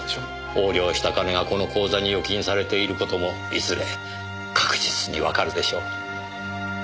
横領した金がこの口座に預金されている事もいずれ確実にわかるでしょう。